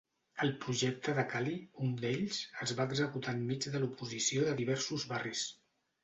El projecte de Kali, un d'ells, es va executar enmig de l'oposició de diversos barris.